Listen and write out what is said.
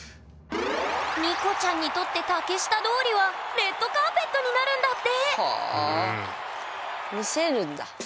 ＮＩＣＯちゃんにとって竹下通りはレッドカーペットになるんだってはあみせるんだ。